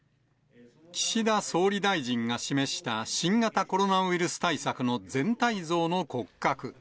岸田総理大臣が示した新型コロナウイルス対策の全体像の骨格。